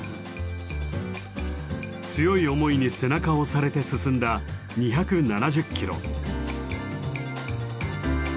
強い思いに背中を押されて進んだ２７０キロ。